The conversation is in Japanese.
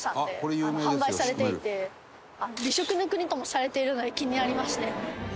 美食の国ともされているので気になりますね。